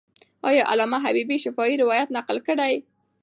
آیا علامه حبیبي شفاهي روایت نقل کړی؟